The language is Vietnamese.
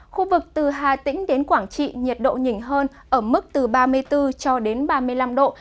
khu vực từ hà tĩnh đến quảng trị nhiệt độ nhỉnh hơn ở mức từ ba mươi bốn cho đến ba mươi năm độ